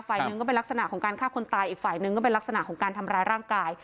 หนึ่งก็เป็นลักษณะของการฆ่าคนตายอีกฝ่ายหนึ่งก็เป็นลักษณะของการทำร้ายร่างกาย